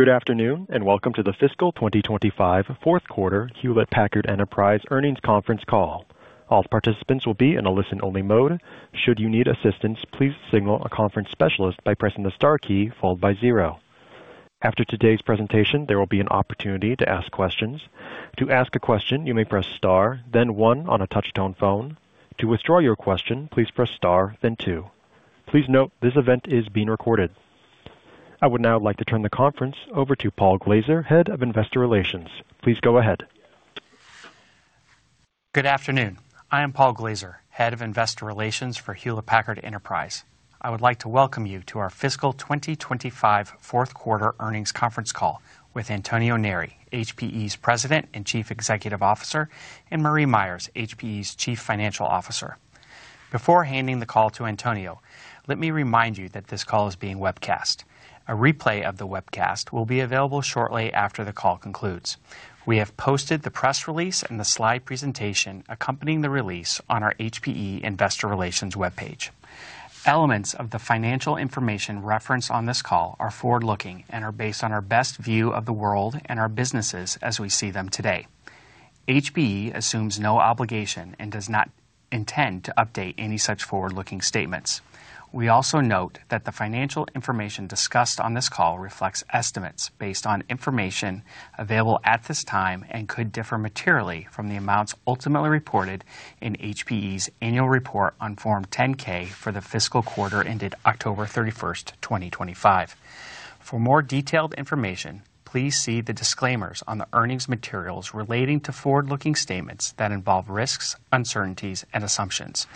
Good afternoon and welcome to the Fiscal 2025 Fourth Quarter Hewlett Packard Enterprise Earnings Conference call. All participants will be in a listen-only mode. Should you need assistance, please signal a conference specialist by pressing the star key followed by zero. After today's presentation, there will be an opportunity to ask questions. To ask a question, you may press star, then one on a touch-tone phone. To withdraw your question, please press star, then two. Please note this event is being recorded. I would now like to turn the conference over to Paul Glaser, Head of Investor Relations. Please go ahead. Good afternoon. I am Paul Glaser, Head of Investor Relations for Hewlett Packard Enterprise. I would like to welcome you to our Fiscal 2025 Fourth Quarter Earnings Conference call with Antonio Neri, HPE's President and Chief Executive Officer, and Marie Myers, HPE's Chief Financial Officer. Before handing the call to Antonio, let me remind you that this call is being webcast. A replay of the webcast will be available shortly after the call concludes. We have posted the press release and the slide presentation accompanying the release on our HPE Investor Relations webpage. Elements of the financial information referenced on this call are forward-looking and are based on our best view of the world and our businesses as we see them today. HPE assumes no obligation and does not intend to update any such forward-looking statements. We also note that the financial information discussed on this call reflects estimates based on information available at this time and could differ materially from the amounts ultimately reported in HPE's annual report on Form 10-K for the fiscal quarter ended October 31st, 2025. For more detailed information, please see the disclaimers on the earnings materials relating to forward-looking statements that involve risks, uncertainties, and assumptions.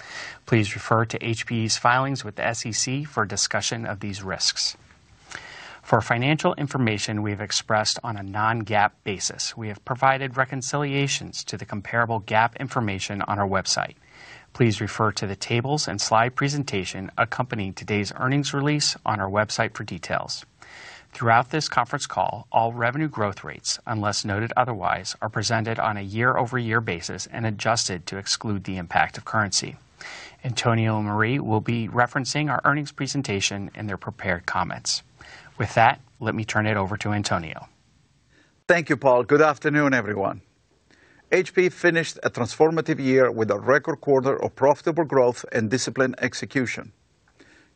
Please refer to HPE's filings with the SEC for discussion of these risks. For financial information we have expressed on a non-GAAP basis, we have provided reconciliations to the comparable GAAP information on our website. Please refer to the tables and slide presentation accompanying today's earnings release on our website for details. Throughout this conference call, all revenue growth rates, unless noted otherwise, are presented on a year-over-year basis and adjusted to exclude the impact of currency. Antonio and Marie will be referencing our earnings presentation in their prepared comments. With that, let me turn it over to Antonio. Thank you, Paul. Good afternoon, everyone. HPE finished a transformative year with a record quarter of profitable growth and disciplined execution.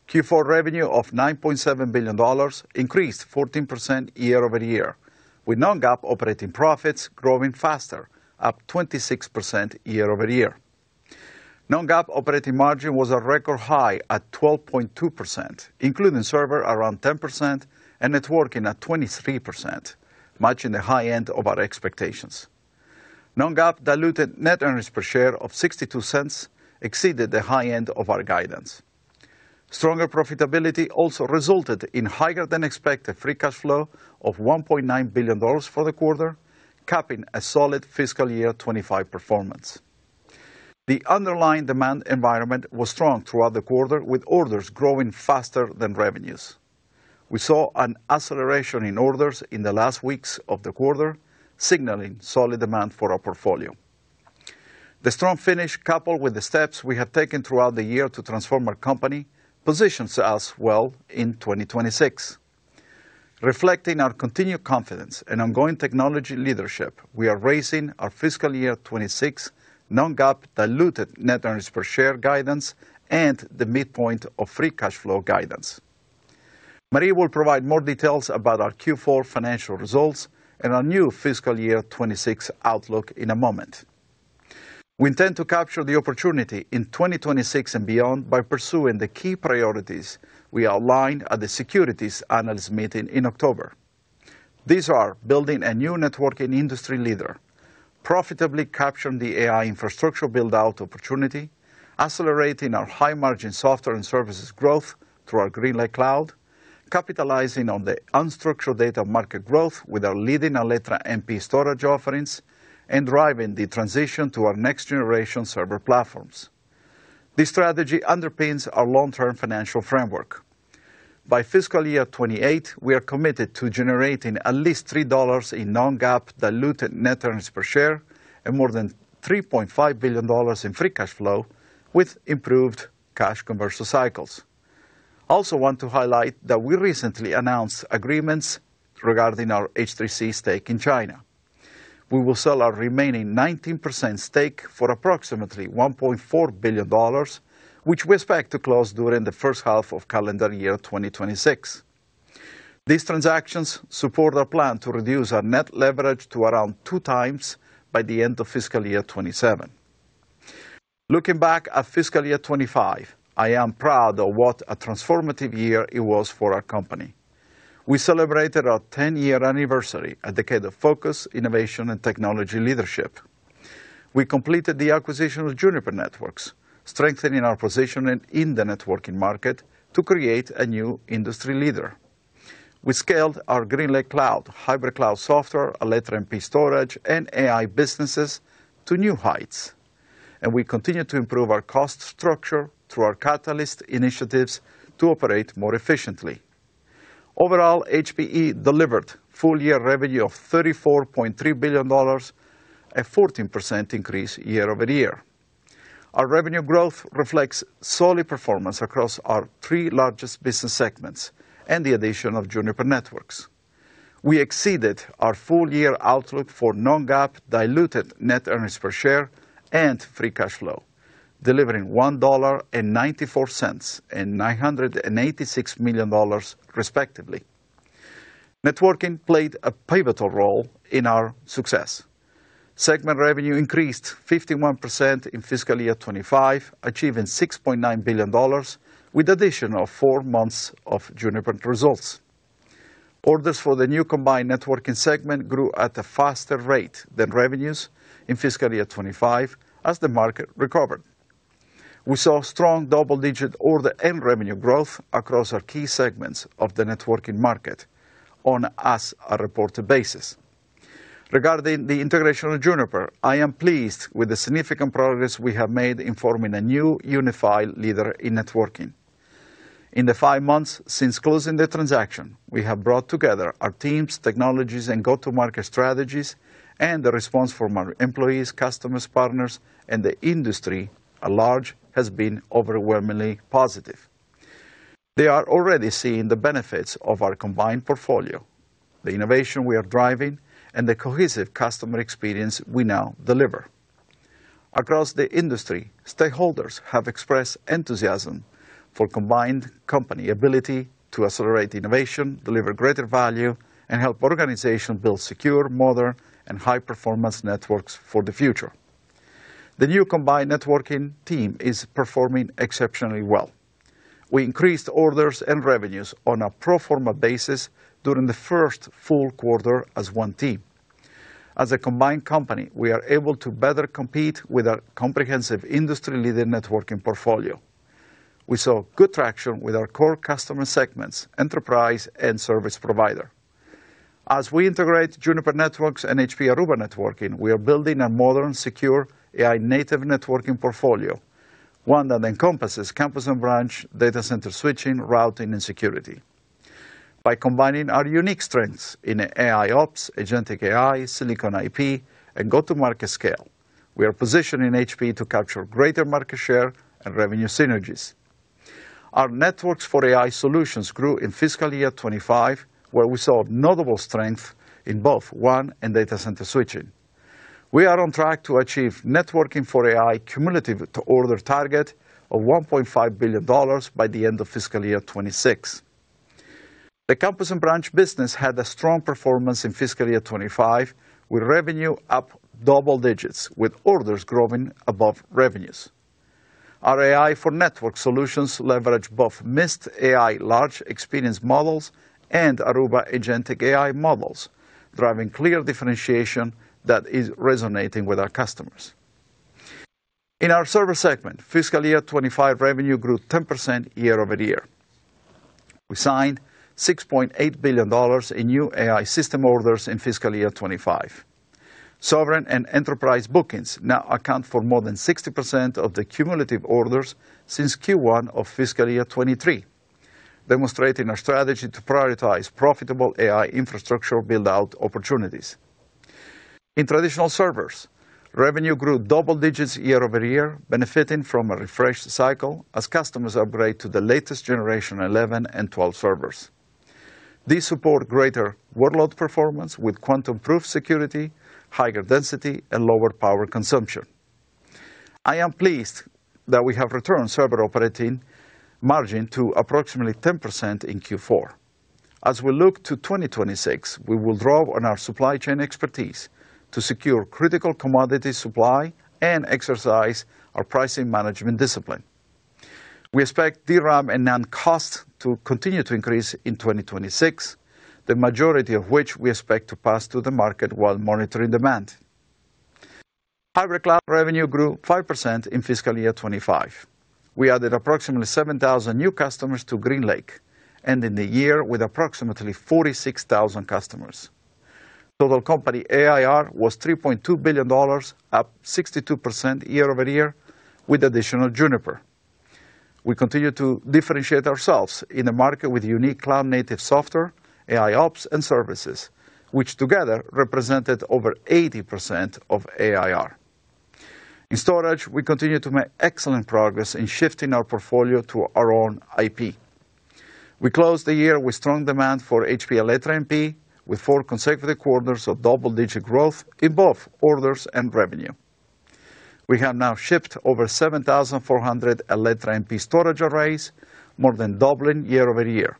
Q4 revenue of $9.7 billion increased 14% year-over-year, with non-GAAP operating profits growing faster, up 26% year-over-year. Non-GAAP operating margin was a record high at 12.2%, including server around 10% and networking at 23%, matching the high end of our expectations. Non-GAAP diluted net earnings per share of $0.62 exceeded the high end of our guidance. Stronger profitability also resulted in higher-than-expected free cash flow of $1.9 billion for the quarter, capping a solid fiscal year 2025 performance. The underlying demand environment was strong throughout the quarter, with orders growing faster than revenues. We saw an acceleration in orders in the last weeks of the quarter, signaling solid demand for our portfolio. The strong finish, coupled with the steps we have taken throughout the year to transform our company, positions us well in 2026. Reflecting our continued confidence and ongoing technology leadership, we are raising our fiscal year 2026 non-GAAP diluted net earnings per share guidance and the midpoint of free cash flow guidance. Marie will provide more details about our Q4 financial results and our new fiscal year 2026 outlook in a moment. We intend to capture the opportunity in 2026 and beyond by pursuing the key priorities we outlined at the Securities Analyst Meeting in October. These are building a new networking industry leader, profitably capturing the AI infrastructure build-out opportunity, accelerating our high-margin software and services growth through our GreenLake cloud, capitalizing on the unstructured data market growth with our leading Alletra MP Storage offerings, and driving the transition to our next-generation server platforms. This strategy underpins our long-term financial framework. By fiscal year 2028, we are committed to generating at least $3 in Non-GAAP diluted net earnings per share and more than $3.5 billion in free cash flow with improved cash conversion cycles. I also want to highlight that we recently announced agreements regarding our H3C stake in China. We will sell our remaining 19% stake for approximately $1.4 billion, which we expect to close during the first half of calendar year 2026. These transactions support our plan to reduce our net leverage to around two times by the end of fiscal year 2027. Looking back at fiscal year 2025, I am proud of what a transformative year it was for our company. We celebrated our 10-year anniversary in the era of focus, innovation and technology leadership. We completed the acquisition of Juniper Networks, strengthening our positioning in the networking market to create a new industry leader. We scaled our GreenLake cloud, hybrid cloud software, Alletra MP Storage, and AI businesses to new heights, and we continue to improve our cost structure through our catalyst initiatives to operate more efficiently. Overall, HPE delivered full-year revenue of $34.3 billion, a 14% increase year-over-year. Our revenue growth reflects solid performance across our three largest business segments and the addition of Juniper Networks. We exceeded our full-year outlook for non-GAAP diluted net earnings per share and free cash flow, delivering $1.94 and $986 million, respectively. Networking played a pivotal role in our success. Segment revenue increased 51% in fiscal year 2025, achieving $6.9 billion, with the addition of four months of Juniper results. Orders for the new combined networking segment grew at a faster rate than revenues in fiscal year 2025 as the market recovered. We saw strong double-digit order and revenue growth across our key segments of the networking market on an as-reported basis. Regarding the integration of Juniper, I am pleased with the significant progress we have made in forming a new unified leader in networking. In the five months since closing the transaction, we have brought together our teams, technologies, and go-to-market strategies, and the response from our employees, customers, partners, and the industry at large has been overwhelmingly positive. They are already seeing the benefits of our combined portfolio, the innovation we are driving, and the cohesive customer experience we now deliver. Across the industry, stakeholders have expressed enthusiasm for the combined company's ability to accelerate innovation, deliver greater value, and help organizations build secure, modern, and high-performance networks for the future. The new combined networking team is performing exceptionally well. We increased orders and revenues on a pro forma basis during the first full quarter as one team. As a combined company, we are able to better compete with our comprehensive industry-leading networking portfolio. We saw good traction with our core customer segments, enterprise and service provider. As we integrate Juniper Networks and HPE Aruba Networking, we are building a modern, secure, AI-native networking portfolio, one that encompasses campus and branch, data center switching, routing, and security. By combining our unique strengths in AIOps, Agentic AI, Silicon IP, and go-to-market scale, we are positioning HPE to capture greater market share and revenue synergies. Our networks for AI solutions grew in fiscal year 2025, where we saw notable strength in both WAN and data center switching. We are on track to achieve networking for AI cumulative to order target of $1.5 billion by the end of fiscal year 2026. The campus and branch business had a strong performance in fiscal year 2025, with revenue up double digits, with orders growing above revenues. Our AI for network solutions leverage both Mist AI large language models and Aruba Agentic AI models, driving clear differentiation that is resonating with our customers. In our server segment, fiscal year 2025 revenue grew 10% year-over-year. We signed $6.8 billion in new AI system orders in fiscal year 2025. Sovereign and enterprise bookings now account for more than 60% of the cumulative orders since Q1 of fiscal year 2023, demonstrating our strategy to prioritize profitable AI infrastructure build-out opportunities. In traditional servers, revenue grew double digits year-over-year, benefiting from a refreshed cycle as customers upgrade to the latest generation 11 and 12 servers. These support greater workload performance with quantum-proof security, higher density, and lower power consumption. I am pleased that we have returned server operating margin to approximately 10% in Q4. As we look to 2026, we will draw on our supply chain expertise to secure critical commodity supply and exercise our pricing management discipline. We expect DRAM and NAND costs to continue to increase in 2026, the majority of which we expect to pass to the market while monitoring demand. Hybrid cloud revenue grew 5% in fiscal year 2025. We added approximately 7,000 new customers to GreenLake, ending the year with approximately 46,000 customers. Total company ARR was $3.2 billion, up 62% year-over-year, with additional Juniper. We continue to differentiate ourselves in a market with unique cloud-native software, AIOps, and services, which together represented over 80% of AIR. In storage, we continue to make excellent progress in shifting our portfolio to our own IP. We closed the year with strong demand for HPE Alletra MP, with four consecutive quarters of double-digit growth in both orders and revenue. We have now shipped over 7,400 Alletra MP Storage arrays, more than doubling year-over-year.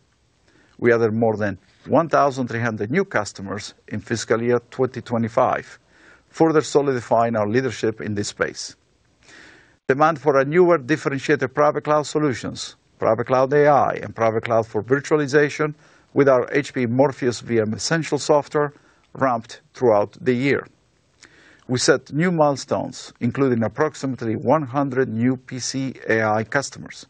We added more than 1,300 new customers in fiscal year 2025, further solidifying our leadership in this space. Demand for our newer differentiated private cloud solutions, Private Cloud AI, and private cloud for virtualization with our HPE Morpheus VM Essentials software ramped throughout the year. We set new milestones, including approximately 100 new PC AI customers.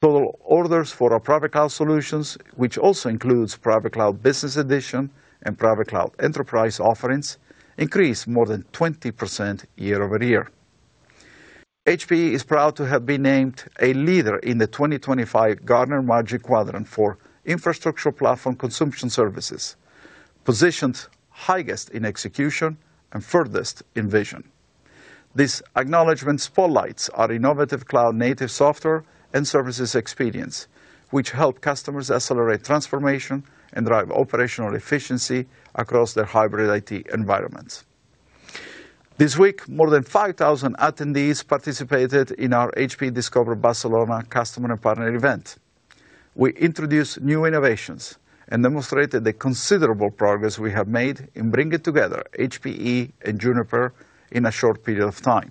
Total orders for our private cloud solutions, which also includes private cloud business edition and private cloud enterprise offerings, increased more than 20% year-over-year. HPE is proud to have been named a leader in the 2025 Gartner Magic Quadrant for Infrastructure Platform Consumption Services, positioned highest in execution and furthest in vision. This acknowledgment spotlights our innovative cloud-native software and services experience, which help customers accelerate transformation and drive operational efficiency across their hybrid IT environments. This week, more than 5,000 attendees participated in our HPE Discover Barcelona customer and partner event. We introduced new innovations and demonstrated the considerable progress we have made in bringing together HPE and Juniper in a short period of time.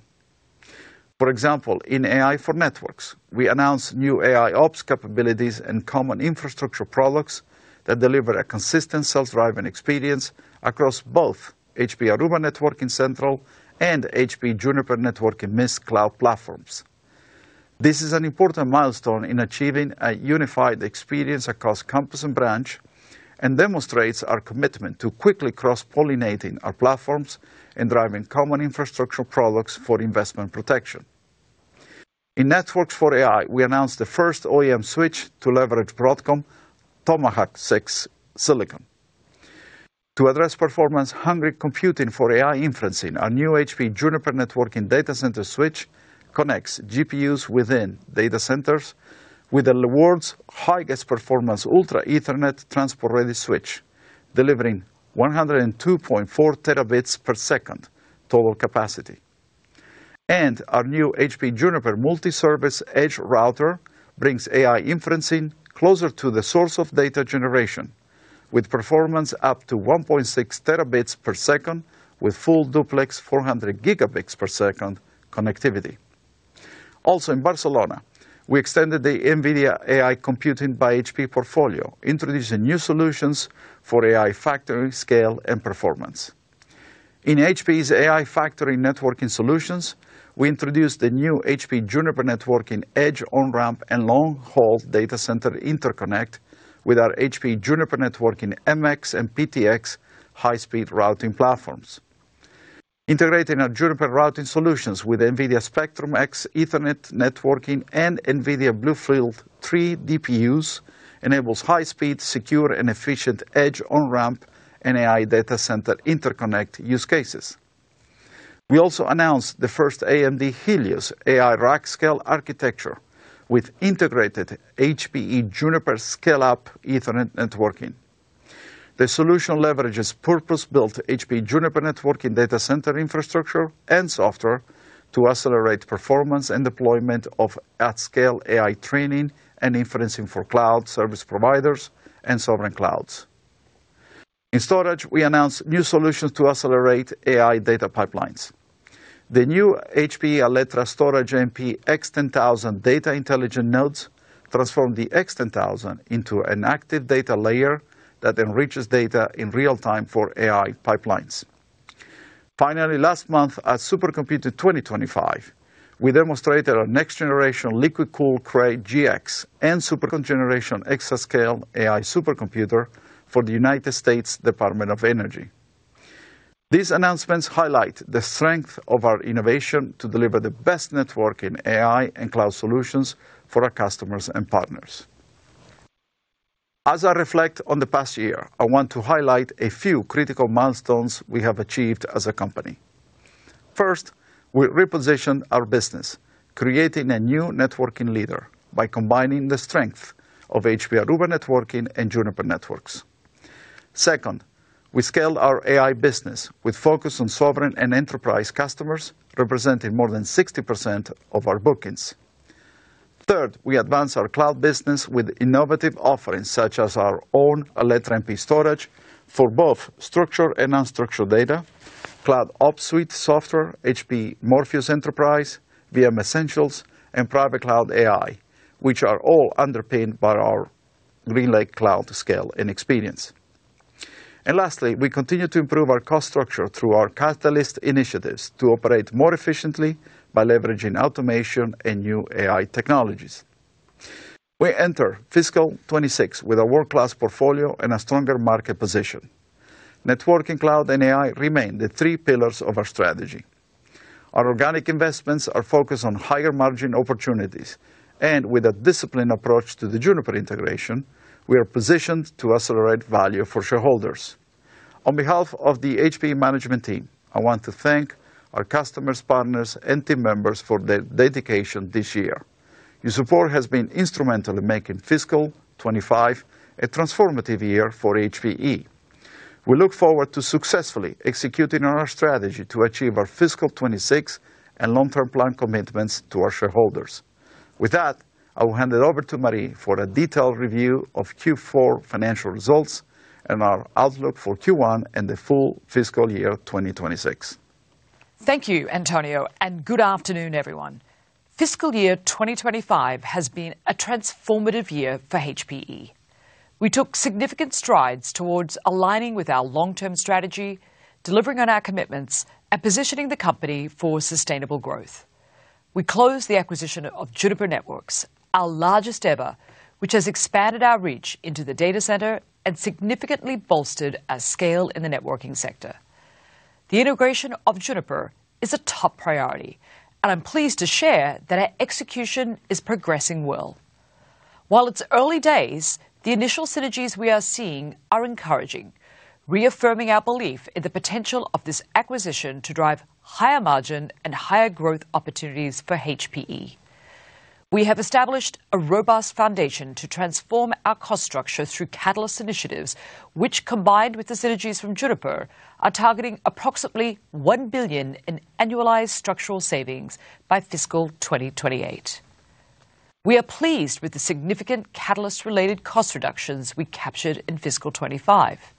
For example, in AI for Networks, we announced new AIOps capabilities and common infrastructure products that deliver a consistent self-driving experience across both HPE Aruba Networking Central and HPE Juniper Networking Mist cloud platforms. This is an important milestone in achieving a unified experience across campus and branch and demonstrates our commitment to quickly cross-pollinating our platforms and driving common infrastructure products for investment protection. In Networks for AI, we announced the first OEM switch to leverage Broadcom Tomahawk 6 Silicon. To address performance-hungry computing for AI inferencing, our new HPE Juniper Networking data center switch connects GPUs within data centers with the world's highest performance Ultra Ethernet transport-ready switch, delivering 102.4 Tbps total capacity. Our new HPE Juniper Multi-Service Edge Router brings AI inferencing closer to the source of data generation, with performance up to 1.6 Tbps with full duplex 400 Gbps connectivity. Also, in Barcelona, we extended the NVIDIA AI Computing by HPE portfolio, introducing new solutions for AI factory scale and performance. In HPE's AI Factory Networking Solutions, we introduced the new HPE Juniper Networking Edge OnRamp and Long Haul Data Center Interconnect with our HPE Juniper Networking MX and PTX high-speed routing platforms. Integrating our Juniper routing solutions with NVIDIA Spectrum-X Ethernet Networking and NVIDIA BlueField-3 DPUs enables high-speed, secure, and efficient Edge OnRamp and AI Data Center Interconnect use cases. We also announced the first AMD Helios AI rack scale architecture with integrated HPE Juniper Scale-up Ethernet Networking. The solution leverages purpose-built HPE Juniper Networking data center infrastructure and software to accelerate performance and deployment of at-scale AI training and inferencing for cloud service providers and sovereign clouds. In storage, we announced new solutions to accelerate AI data pipelines. The new HPE Alletra Storage MP X10000 data intelligence nodes transform the X10000 into an active data layer that enriches data in real time for AI pipelines. Finally, last month at Supercomputer 2025, we demonstrated our next-generation Liquid-Cooled Cray GX and super-generation exascale AI supercomputer for the U.S. Department of Energy. These announcements highlight the strength of our innovation to deliver the best networking AI and cloud solutions for our customers and partners. As I reflect on the past year, I want to highlight a few critical milestones we have achieved as a company. First, we repositioned our business, creating a new networking leader by combining the strength of HPE Aruba Networking and Juniper Networks. Second, we scaled our AI business with focus on sovereign and enterprise customers, representing more than 60% of our bookings. Third, we advanced our cloud business with innovative offerings such as our own Alletra MP Storage for both structured and unstructured data, Cloud Ops Suite software, HPE Morpheus Enterprise, VM Essentials, and private cloud AI, which are all underpinned by our GreenLake cloud scale and experience. And lastly, we continue to improve our cost structure through our catalyst initiatives to operate more efficiently by leveraging automation and new AI technologies. We enter fiscal 2026 with a world-class portfolio and a stronger market position. Networking, cloud, and AI remain the three pillars of our strategy. Our organic investments are focused on higher margin opportunities, and with a disciplined approach to the Juniper integration, we are positioned to accelerate value for shareholders. On behalf of the HPE Management Team, I want to thank our customers, partners, and team members for their dedication this year. Your support has been instrumental in making fiscal 2025 a transformative year for HPE. We look forward to successfully executing on our strategy to achieve our fiscal 2026 and long-term plan commitments to our shareholders. With that, I will hand it over to Marie for a detailed review of Q4 financial results and our outlook for Q1 and the full fiscal year 2026. Thank you, Antonio, and good afternoon, everyone. Fiscal year 2025 has been a transformative year for HPE. We took significant strides towards aligning with our long-term strategy, delivering on our commitments, and positioning the company for sustainable growth. We closed the acquisition of Juniper Networks, our largest ever, which has expanded our reach into the data center and significantly bolstered our scale in the networking sector. The integration of Juniper is a top priority, and I'm pleased to share that our execution is progressing well. While it's early days, the initial synergies we are seeing are encouraging, reaffirming our belief in the potential of this acquisition to drive higher margin and higher growth opportunities for HPE. We have established a robust foundation to transform our cost structure through catalyst initiatives, which, combined with the synergies from Juniper, are targeting approximately $1 billion in annualized structural savings by fiscal 2028. We are pleased with the significant catalyst-related cost reductions we captured in fiscal 2025.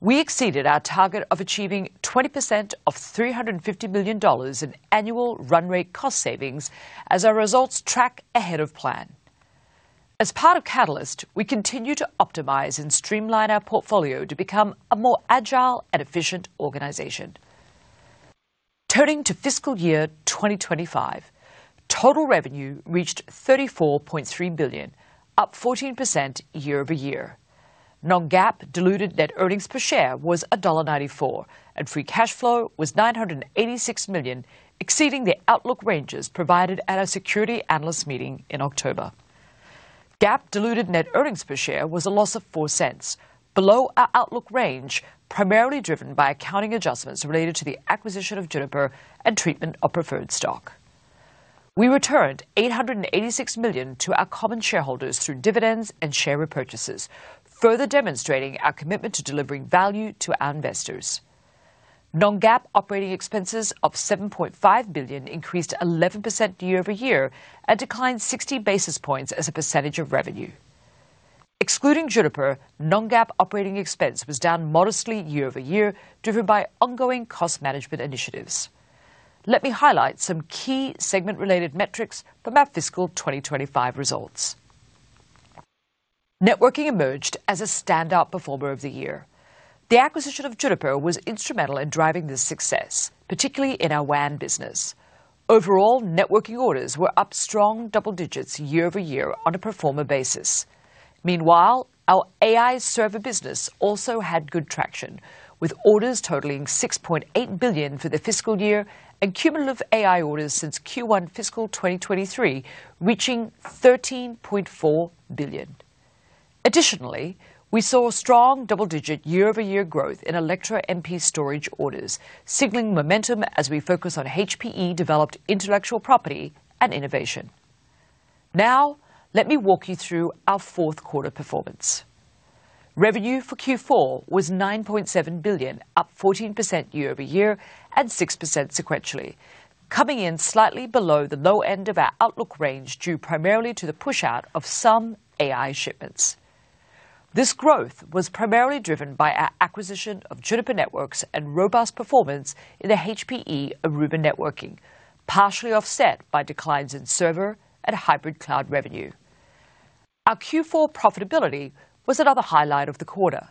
We exceeded our target of achieving 20% of $350 million in annual run rate cost savings as our results track ahead of plan. As part of Catalyst, we continue to optimize and streamline our portfolio to become a more agile and efficient organization. Turning to fiscal year 2025, total revenue reached $34.3 billion, up 14% year-over-year. Non-GAAP diluted net earnings per share was $1.94, and free cash flow was $986 million, exceeding the outlook ranges provided at our securities analyst meeting in October. GAAP diluted net earnings per share was a loss of $0.04, below our outlook range, primarily driven by accounting adjustments related to the acquisition of Juniper and treatment of preferred stock. We returned $886 million to our common shareholders through dividends and share repurchases, further demonstrating our commitment to delivering value to our investors. Non-GAAP operating expenses of $7.5 billion increased 11% year-over-year and declined 60 basis points as a percentage of revenue. Excluding Juniper, non-GAAP operating expense was down modestly year-over-year, driven by ongoing cost management initiatives. Let me highlight some key segment-related metrics from our fiscal 2025 results. Networking emerged as a standout performer of the year. The acquisition of Juniper was instrumental in driving this success, particularly in our WAN business. Overall, networking orders were up strong double digits year-over-year on a pro forma basis. Meanwhile, our AI server business also had good traction, with orders totaling $6.8 billion for the fiscal year and cumulative AI orders since Q1 fiscal 2023 reaching $13.4 billion. Additionally, we saw strong double-digit year-over-year growth in Alletra MP Storage orders, signaling momentum as we focus on HPE-developed intellectual property and innovation. Now, let me walk you through our fourth quarter performance. Revenue for Q4 was $9.7 billion, up 14% year-over-year and 6% sequentially, coming in slightly below the low end of our outlook range due primarily to the push-out of some AI shipments. This growth was primarily driven by our acquisition of Juniper Networks and robust performance in the HPE Aruba Networking, partially offset by declines in server and hybrid cloud revenue. Our Q4 profitability was another highlight of the quarter.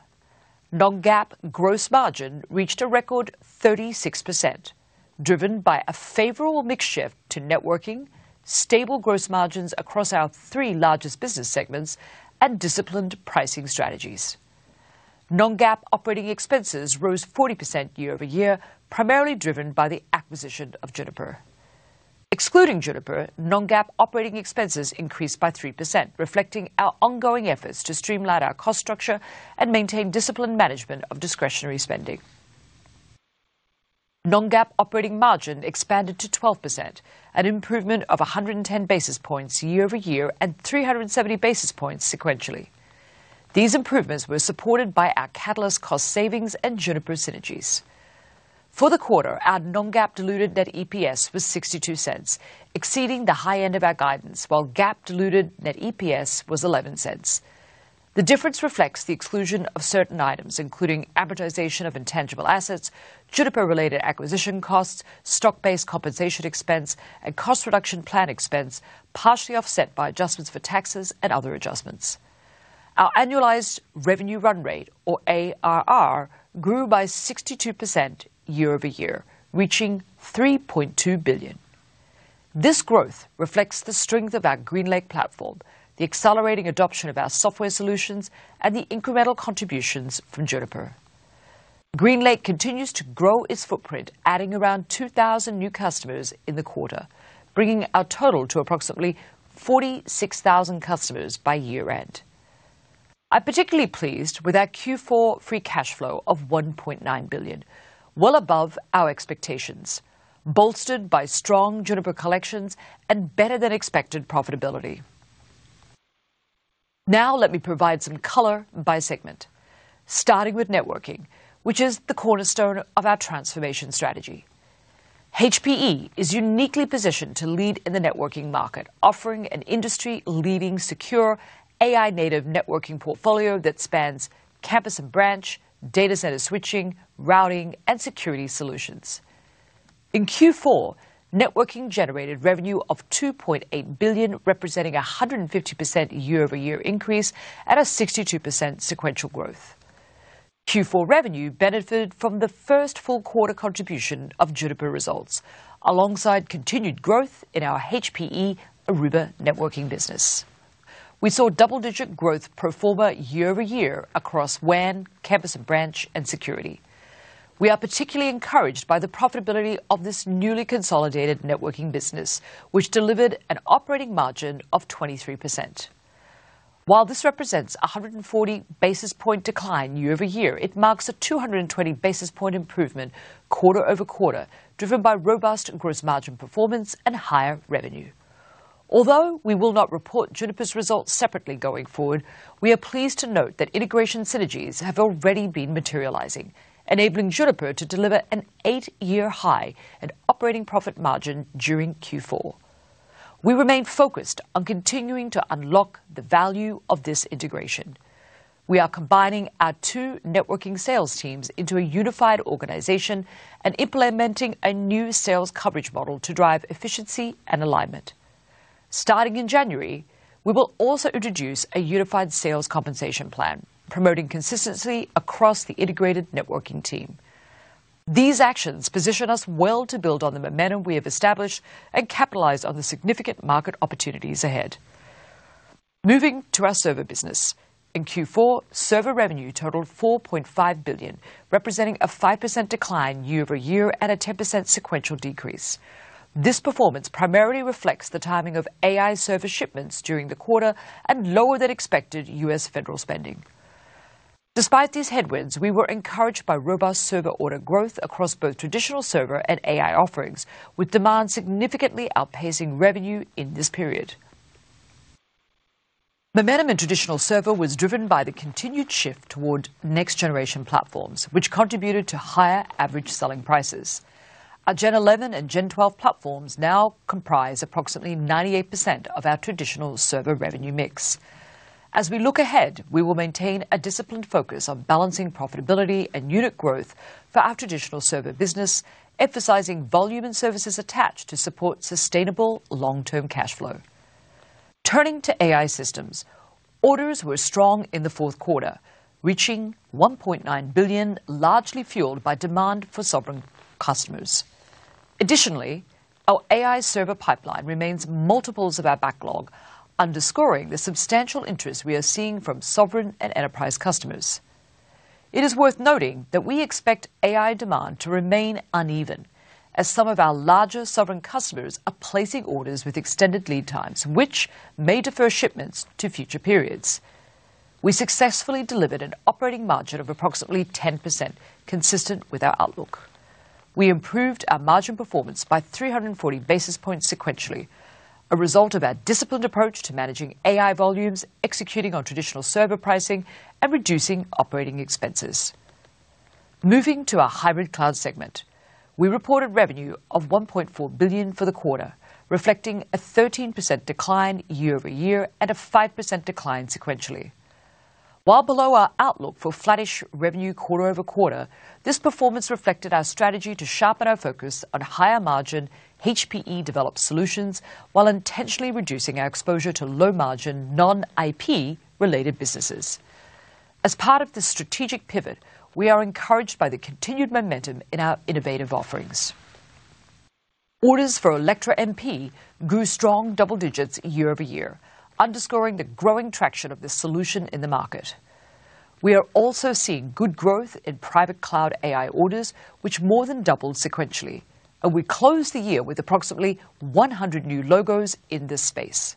Non-GAAP gross margin reached a record 36%, driven by a favorable mix shift to networking, stable gross margins across our three largest business segments, and disciplined pricing strategies. Non-GAAP operating expenses rose 40% year-over-year, primarily driven by the acquisition of Juniper. Excluding Juniper, non-GAAP operating expenses increased by 3%, reflecting our ongoing efforts to streamline our cost structure and maintain disciplined management of discretionary spending. Non-GAAP operating margin expanded to 12%, an improvement of 110 basis points year-over-year and 370 basis points sequentially. These improvements were supported by our catalyst cost savings and Juniper synergies. For the quarter, our non-GAAP diluted net EPS was $0.62, exceeding the high end of our guidance, while GAAP diluted net EPS was $0.11. The difference reflects the exclusion of certain items, including amortization of intangible assets, Juniper-related acquisition costs, stock-based compensation expense, and cost reduction plan expense, partially offset by adjustments for taxes and other adjustments. Our annualized revenue run rate, or ARR, grew by 62% year-over-year, reaching $3.2 billion. This growth reflects the strength of our GreenLake platform, the accelerating adoption of our software solutions, and the incremental contributions from Juniper. GreenLake continues to grow its footprint, adding around 2,000 new customers in the quarter, bringing our total to approximately 46,000 customers by year-end. I'm particularly pleased with our Q4 free cash flow of $1.9 billion, well above our expectations, bolstered by strong Juniper collections and better-than-expected profitability. Now, let me provide some color by segment, starting with networking, which is the cornerstone of our transformation strategy. HPE is uniquely positioned to lead in the networking market, offering an industry-leading secure AI-native networking portfolio that spans campus and branch, data center switching, routing, and security solutions. In Q4, networking generated revenue of $2.8 billion, representing a 150% year-over-year increase and a 62% sequential growth. Q4 revenue benefited from the first full quarter contribution of Juniper results, alongside continued growth in our HPE Aruba Networking business. We saw double-digit growth performance year-over-year across WAN, campus and branch, and security. We are particularly encouraged by the profitability of this newly consolidated networking business, which delivered an operating margin of 23%. While this represents a 140 basis point decline year-over-year, it marks a 220 basis point improvement quarter-over-quarter, driven by robust gross margin performance and higher revenue. Although we will not report Juniper's results separately going forward, we are pleased to note that integration synergies have already been materializing, enabling Juniper to deliver an eight-year high in operating profit margin during Q4. We remain focused on continuing to unlock the value of this integration. We are combining our two networking sales teams into a unified organization and implementing a new sales coverage model to drive efficiency and alignment. Starting in January, we will also introduce a unified sales compensation plan, promoting consistency across the integrated networking team. These actions position us well to build on the momentum we have established and capitalize on the significant market opportunities ahead. Moving to our server business, in Q4, server revenue totaled $4.5 billion, representing a 5% decline year-over-year and a 10% sequential decrease. This performance primarily reflects the timing of AI server shipments during the quarter and lower-than-expected U.S. federal spending. Despite these headwinds, we were encouraged by robust server order growth across both traditional server and AI offerings, with demand significantly outpacing revenue in this period. Momentum in traditional server was driven by the continued shift toward next-generation platforms, which contributed to higher average selling prices. Our Gen 11 and Gen 12 platforms now comprise approximately 98% of our traditional server revenue mix. As we look ahead, we will maintain a disciplined focus on balancing profitability and unit growth for our traditional server business, emphasizing volume and services attached to support sustainable long-term cash flow. Turning to AI systems, orders were strong in the fourth quarter, reaching $1.9 billion, largely fueled by demand for sovereign customers. Additionally, our AI server pipeline remains multiples of our backlog, underscoring the substantial interest we are seeing from sovereign and enterprise customers. It is worth noting that we expect AI demand to remain uneven, as some of our larger sovereign customers are placing orders with extended lead times, which may defer shipments to future periods. We successfully delivered an operating margin of approximately 10%, consistent with our outlook. We improved our margin performance by 340 basis points sequentially, a result of our disciplined approach to managing AI volumes, executing on traditional server pricing, and reducing operating expenses. Moving to our hybrid cloud segment, we reported revenue of $1.4 billion for the quarter, reflecting a 13% decline year-over-year and a 5% decline sequentially. While below our outlook for flattish revenue quarter-over-quarter, this performance reflected our strategy to sharpen our focus on higher margin HPE-developed solutions while intentionally reducing our exposure to low-margin non-IP-related businesses. As part of this strategic pivot, we are encouraged by the continued momentum in our innovative offerings. Orders for Alletra MP grew strong double digits year-over-year, underscoring the growing traction of this solution in the market. We are also seeing good growth in Private Cloud AI orders, which more than doubled sequentially, and we closed the year with approximately 100 new logos in this space.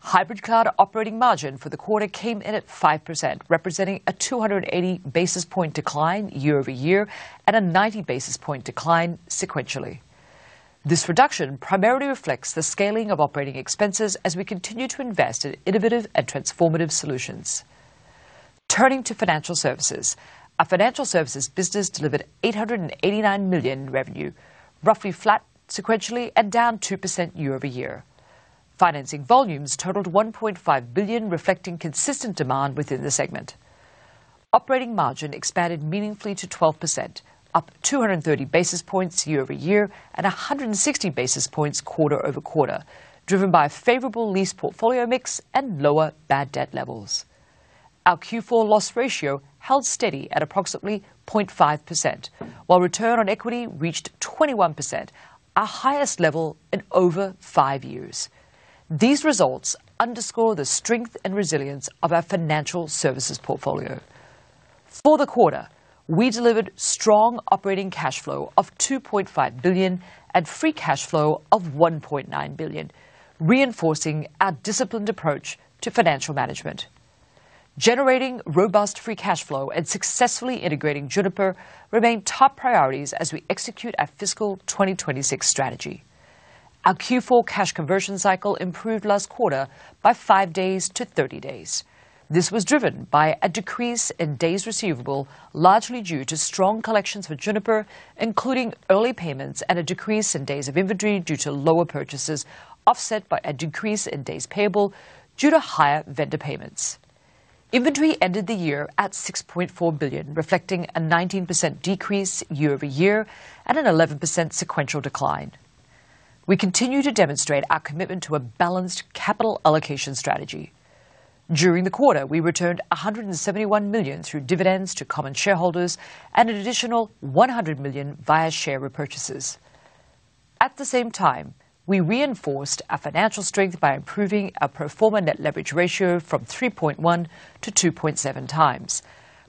Hybrid cloud operating margin for the quarter came in at 5%, representing a 280 basis point decline year-over-year and a 90 basis point decline sequentially. This reduction primarily reflects the scaling of operating expenses as we continue to invest in innovative and transformative solutions. Turning to financial services, our financial services business delivered $889 million in revenue, roughly flat sequentially and down 2% year-over-year. Financing volumes totaled $1.5 billion, reflecting consistent demand within the segment. Operating margin expanded meaningfully to 12%, up 230 basis points year-over-year and 160 basis points quarter-over-quarter, driven by a favorable lease portfolio mix and lower bad debt levels. Our Q4 loss ratio held steady at approximately 0.5%, while return on equity reached 21%, our highest level in over five years. These results underscore the strength and resilience of our financial services portfolio. For the quarter, we delivered strong operating cash flow of $2.5 billion and free cash flow of $1.9 billion, reinforcing our disciplined approach to financial management. Generating robust free cash flow and successfully integrating Juniper remain top priorities as we execute our fiscal 2026 strategy. Our Q4 cash conversion cycle improved last quarter by five days to 30 days. This was driven by a decrease in days receivable, largely due to strong collections for Juniper, including early payments and a decrease in days of inventory due to lower purchases, offset by a decrease in days payable due to higher vendor payments. Inventory ended the year at $6.4 billion, reflecting a 19% decrease year-over-year and an 11% sequential decline. We continue to demonstrate our commitment to a balanced capital allocation strategy. During the quarter, we returned $171 million through dividends to common shareholders and an additional $100 million via share repurchases. At the same time, we reinforced our financial strength by improving our pro forma net leverage ratio from 3.1 to 2.7 times,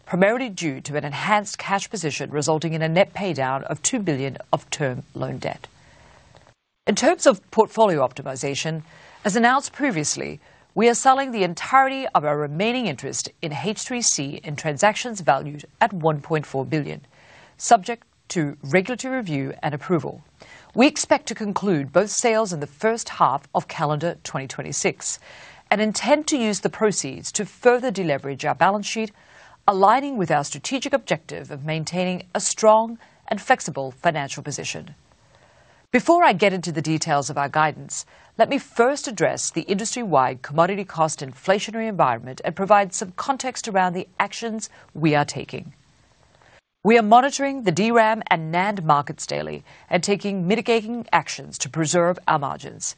primarily due to an enhanced cash position resulting in a net paydown of $2 billion of term loan debt. In terms of portfolio optimization, as announced previously, we are selling the entirety of our remaining interest in H3C in transactions valued at $1.4 billion, subject to regulatory review and approval. We expect to conclude both sales in the first half of calendar 2026 and intend to use the proceeds to further deleverage our balance sheet, aligning with our strategic objective of maintaining a strong and flexible financial position. Before I get into the details of our guidance, let me first address the industry-wide commodity cost inflationary environment and provide some context around the actions we are taking. We are monitoring the DRAM and NAND markets daily and taking mitigating actions to preserve our margins.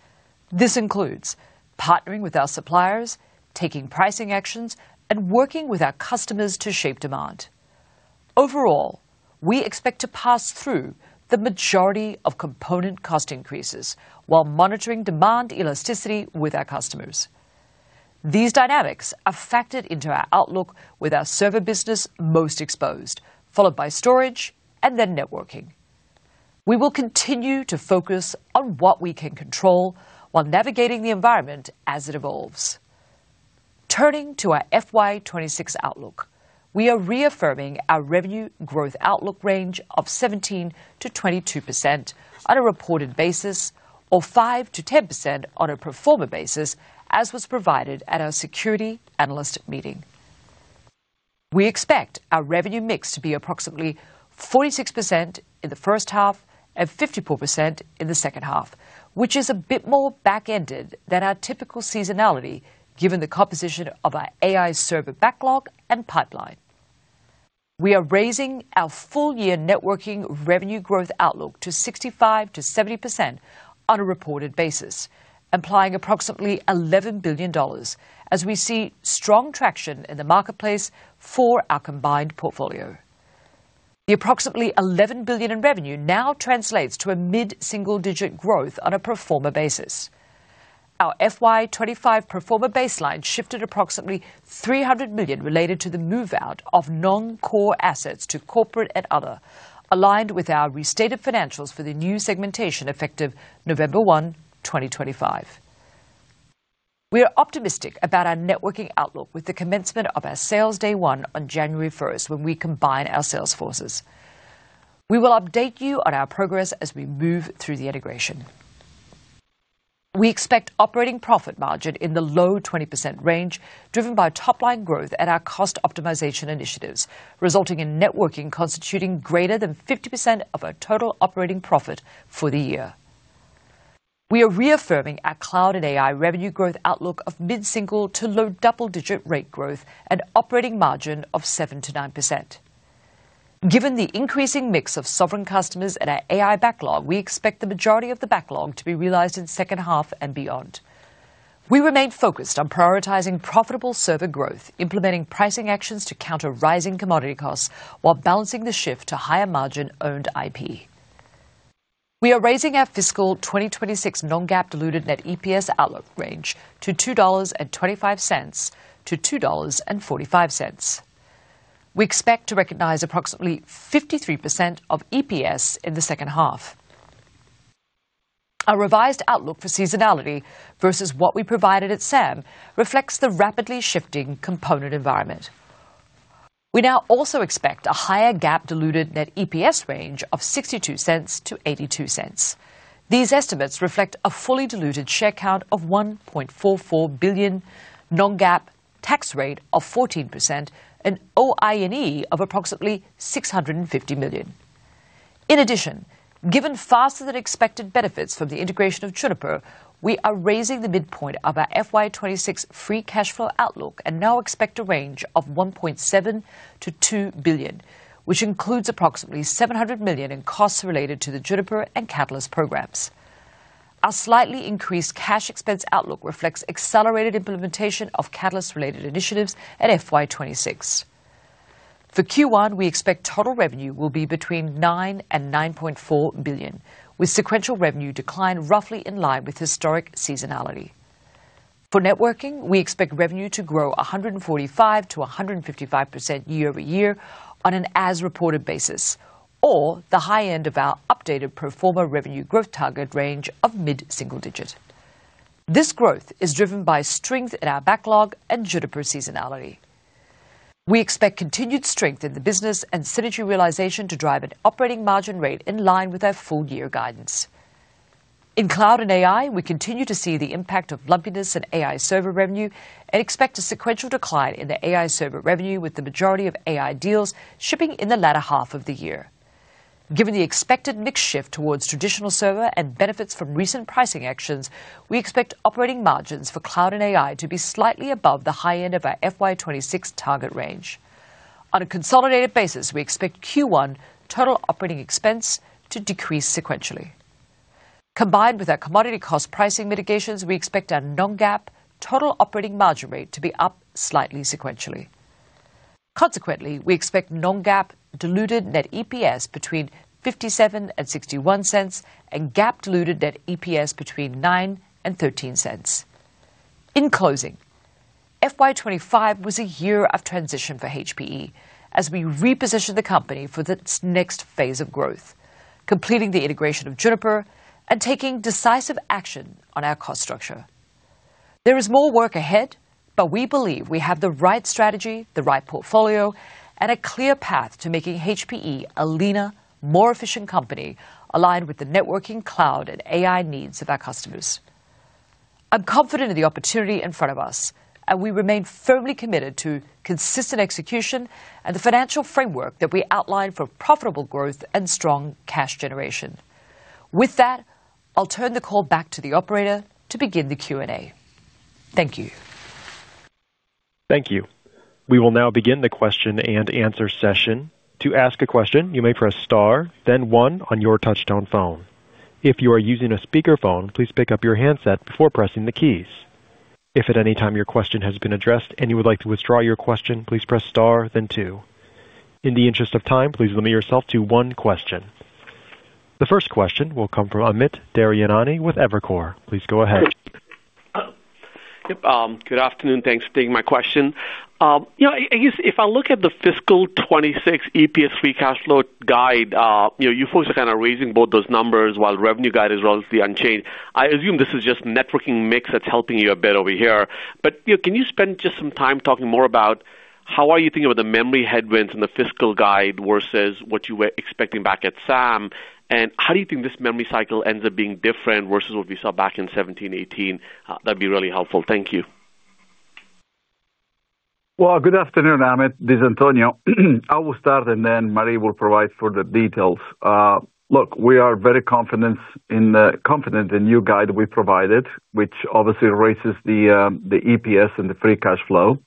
This includes partnering with our suppliers, taking pricing actions, and working with our customers to shape demand. Overall, we expect to pass through the majority of component cost increases while monitoring demand elasticity with our customers. These dynamics are factored into our outlook with our server business most exposed, followed by storage and then networking. We will continue to focus on what we can control while navigating the environment as it evolves. Turning to our FY 2026 outlook, we are reaffirming our revenue growth outlook range of 17%-22% on a reported basis or 5%-10% on a constant currency basis, as was provided at our securities analyst meeting. We expect our revenue mix to be approximately 46% in the first half and 54% in the second half, which is a bit more back-ended than our typical seasonality given the composition of our AI server backlog and pipeline. We are raising our full-year networking revenue growth outlook to 65%-70% on a reported basis, implying approximately $11 billion, as we see strong traction in the marketplace for our combined portfolio. The approximately $11 billion in revenue now translates to a mid-single-digit growth on a pro forma basis. Our FY 2025 pro forma baseline shifted approximately $300 million related to the move-out of non-core assets to corporate and other, aligned with our restated financials for the new segmentation effective November 1, 2025. We are optimistic about our networking outlook with the commencement of our sales day one on January 1st when we combine our sales forces. We will update you on our progress as we move through the integration. We expect operating profit margin in the low 20% range, driven by top-line growth at our cost optimization initiatives, resulting in networking constituting greater than 50% of our total operating profit for the year. We are reaffirming our cloud and AI revenue growth outlook of mid-single to low double-digit rate growth and operating margin of 7% to 9%. Given the increasing mix of sovereign customers and our AI backlog, we expect the majority of the backlog to be realized in the second half and beyond. We remain focused on prioritizing profitable server growth, implementing pricing actions to counter rising commodity costs while balancing the shift to higher margin owned IP. We are raising our fiscal 2026 non-GAAP diluted net EPS outlook range to $2.25 to $2.45. We expect to recognize approximately 53% of EPS in the second half. Our revised outlook for seasonality versus what we provided at SAM reflects the rapidly shifting component environment. We now also expect a higher GAAP diluted net EPS range of $0.62-$0.82. These estimates reflect a fully diluted share count of 1.44 billion, non-GAAP tax rate of 14%, and OI&E of approximately $650 million. In addition, given faster-than-expected benefits from the integration of Juniper, we are raising the midpoint of our FY 2026 free cash flow outlook and now expect a range of $1.7-$2 billion, which includes approximately $700 million in costs related to the Juniper and Catalyst programs. Our slightly increased cash expense outlook reflects accelerated implementation of Catalyst-related initiatives at FY 2026. For Q1, we expect total revenue will be between $9-$9.4 billion, with sequential revenue decline roughly in line with historic seasonality. For networking, we expect revenue to grow 145%-155% year-over-year on an as-reported basis or the high end of our updated platform revenue growth target range of mid-single-digit. This growth is driven by strength in our backlog and Juniper seasonality. We expect continued strength in the business and synergy realization to drive an operating margin rate in line with our full-year guidance. In cloud and AI, we continue to see the impact of lumpiness in AI server revenue and expect a sequential decline in the AI server revenue with the majority of AI deals shipping in the latter half of the year. Given the expected mix shift towards traditional server and benefits from recent pricing actions, we expect operating margins for cloud and AI to be slightly above the high end of our FY 2026 target range. On a consolidated basis, we expect Q1 total operating expense to decrease sequentially. Combined with our commodity cost pricing mitigations, we expect our non-GAAP total operating margin rate to be up slightly sequentially. Consequently, we expect non-GAAP diluted net EPS between $0.57 and $0.61 and GAAP diluted net EPS between $0.09 and $0.13. In closing, FY 2025 was a year of transition for HPE as we repositioned the company for its next phase of growth, completing the integration of Juniper and taking decisive action on our cost structure. There is more work ahead, but we believe we have the right strategy, the right portfolio, and a clear path to making HPE a leaner, more efficient company aligned with the networking, cloud, and AI needs of our customers. I'm confident in the opportunity in front of us, and we remain firmly committed to consistent execution and the financial framework that we outlined for profitable growth and strong cash generation. With that, I'll turn the call back to the operator to begin the Q&A. Thank you. Thank you. We will now begin the question and answer session. To ask a question, you may press star, then one on your touch-tone phone. If you are using a speakerphone, please pick up your handset before pressing the keys. If at any time your question has been addressed and you would like to withdraw your question, please press star, then two. In the interest of time, please limit yourself to one question. The first question will come from Amit Daryanani with Evercore. Please go ahead. Yep. Good afternoon. Thanks for taking my question. I guess if I look at the fiscal 2026 EPS free cash flow guide, you folks are kind of raising both those numbers while revenue guide is relatively unchanged. I assume this is just networking mix that's helping you a bit over here. But can you spend just some time talking more about how are you thinking about the memory headwinds in the fiscal guide versus what you were expecting back at SAM? And how do you think this memory cycle ends up being different versus what we saw back in 2017, 2018? That'd be really helpful. Thank you. Well, good afternoon, Amit. This is Antonio. I will start, and then Marie will provide further details. Look, we are very confident in the new guide we provided, which obviously raises the EPS and the free cash flow.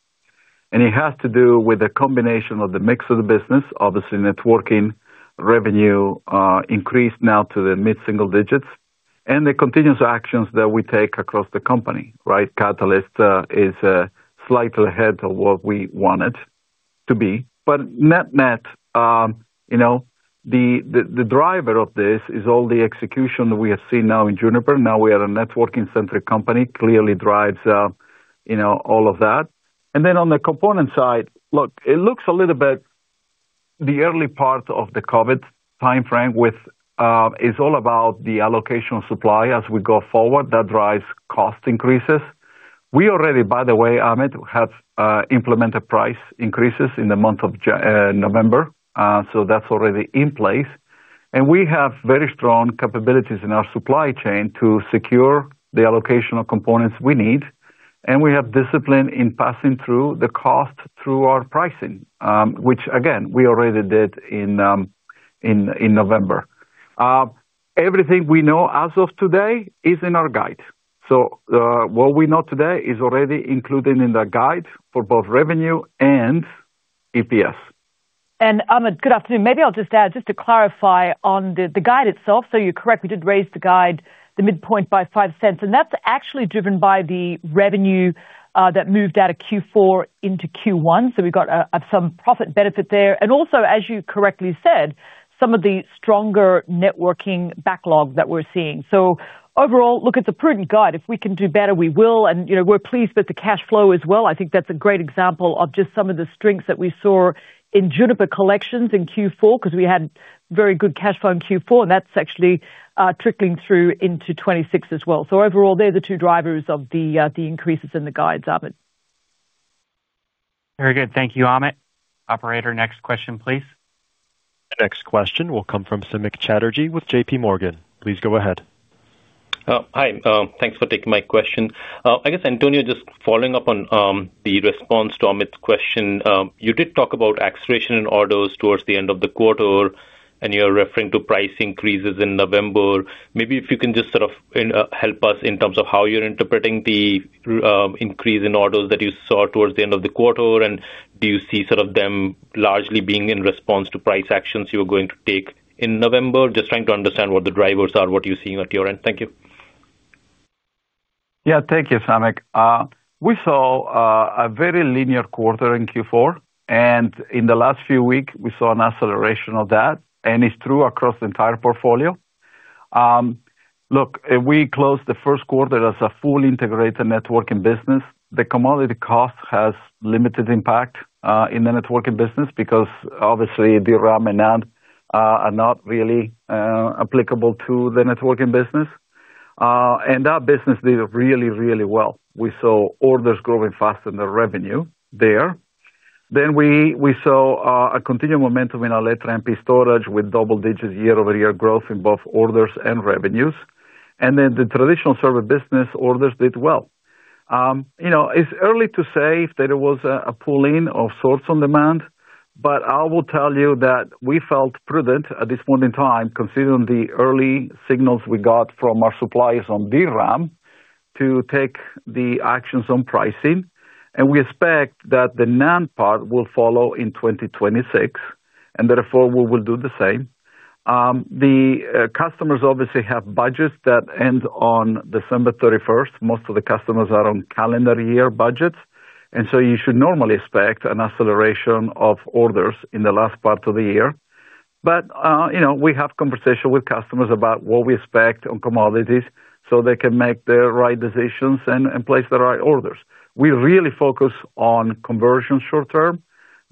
And it has to do with a combination of the mix of the business, obviously networking revenue increased now to the mid-single digits, and the continuous actions that we take across the company. Catalyst is slightly ahead of what we want it to be. But net-net, the driver of this is all the execution that we have seen now in Juniper. Now we are a networking-centric company. Clearly drives all of that. And then on the component side, look, it looks a little bit the early part of the COVID timeframe is all about the allocation of supply as we go forward. That drives cost increases. We already, by the way, Amit, have implemented price increases in the month of November. So that's already in place. And we have very strong capabilities in our supply chain to secure the allocation of components we need. And we have discipline in passing through the cost through our pricing, which, again, we already did in November. Everything we know as of today is in our guide. So what we know today is already included in the guide for both revenue and EPS. And Amit, good afternoon. Maybe I'll just add just to clarify on the guide itself. So you're correct, we did raise the guide, the midpoint by $0.05. And that's actually driven by the revenue that moved out of Q4 into Q1. So we've got some profit benefit there. And also, as you correctly said, some of the stronger networking backlog that we're seeing. So overall, look at the prudent guide. If we can do better, we will. And we're pleased with the cash flow as well. I think that's a great example of just some of the strengths that we saw in Juniper collections in Q4 because we had very good cash flow in Q4. And that's actually trickling through into 2026 as well. So overall, they're the two drivers of the increases in the guides, Amit. Very good. Thank you, Amit. Operator, next question, please. Next question will come from Samik Chatterjee with JPMorgan. Please go ahead. Hi. Thanks for taking my question. I guess Antonio just following up on the response to Amit's question. You did talk about acceleration in orders towards the end of the quarter, and you're referring to price increases in November. Maybe if you can just sort of help us in terms of how you're interpreting the increase in orders that you saw towards the end of the quarter. Do you see sort of them largely being in response to price actions you were going to take in November? Just trying to understand what the drivers are, what you're seeing at your end. Thank you. Yeah, thank you, Samik. We saw a very linear quarter in Q4. In the last few weeks, we saw an acceleration of that. It's true across the entire portfolio. Look, we closed the first quarter as a full integrated networking business. The commodity cost has limited impact in the networking business because obviously DRAM and NAND are not really applicable to the networking business. That business did really, really well. We saw orders growing faster than the revenue there. Then we saw a continued momentum in our Alletra MP Storage with double-digit year-over-year growth in both orders and revenues. The traditional server business orders did well. It's early to say if there was a pull-in of sorts on demand. But I will tell you that we felt prudent at this point in time, considering the early signals we got from our suppliers on DRAM to take the actions on pricing. And we expect that the NAND part will follow in 2026. And therefore, we will do the same. The customers obviously have budgets that end on December 31st. Most of the customers are on calendar year budgets. And so you should normally expect an acceleration of orders in the last part of the year. But we have conversations with customers about what we expect on commodities so they can make the right decisions and place the right orders. We really focus on conversion short-term